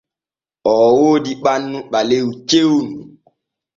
Oo woodi ɓannu ɓalew cewnu.